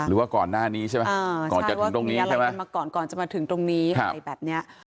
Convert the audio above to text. หรือว่าก่อนหน้านี้ใช่ไหมก่อนจะถึงตรงนี้อะไรกันมาก่อนก่อนจะมาถึงตรงนี้อะไรแบบเนี้ย